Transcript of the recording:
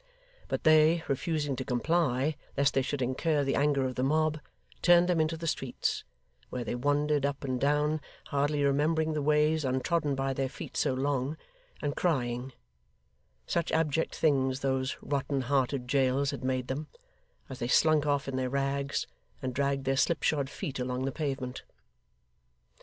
But they, refusing to comply, lest they should incur the anger of the mob, turned them into the streets, where they wandered up and down hardly remembering the ways untrodden by their feet so long, and crying such abject things those rotten hearted jails had made them as they slunk off in their rags, and dragged their slipshod feet along the pavement.